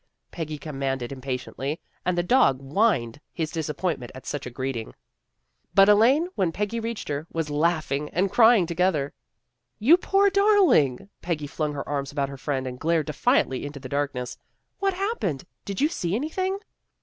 Peggy commanded impatiently, and the dog whined his disappointment at such a greeting. 84 THE GIRLS OF FRIENDLY TERRACE But Elaine, when Peggy reached her, was laugh ing and crying together. " You poor darling! " Peggy flung her arms about her friend and glared defiantly into the darkness. " What happened? Did you see anything?